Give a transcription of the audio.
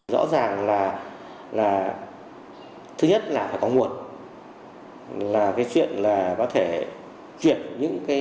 rõ ràng là thứ nhất là phải có nguồn là cái chuyện là có thể chuyển những cái